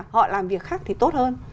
họ làm việc khác thì tốt hơn